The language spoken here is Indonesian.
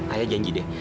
ayah janji deh